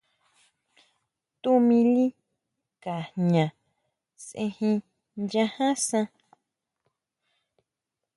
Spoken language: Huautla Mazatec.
Tuʼmili Ka jña sejin nchaja san.